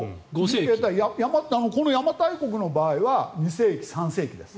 この邪馬台国の場合は２世紀、３世紀です。